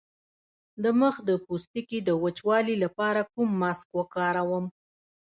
د مخ د پوستکي د وچوالي لپاره کوم ماسک وکاروم؟